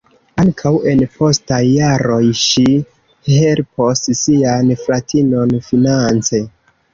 Ankaŭ en postaj jaroj ŝi helpos sian fratinon finance.